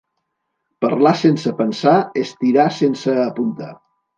Parlar sense pensar és tirar sense apuntar.